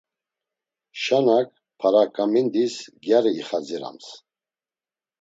Şanak p̌araǩamindis gyari ixadzirams.